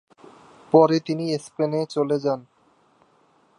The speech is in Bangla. পরে তিনি স্পেনে চলে যান।